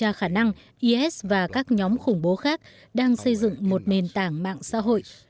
để kiểm tra khả năng is và các nhóm khủng bố khác đang xây dựng một nền tảng mạng xã hội